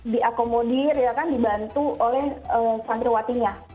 diakomodir ya kan dibantu oleh santriwatinya